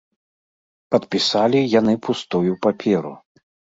Падпісалі яны пустую паперу.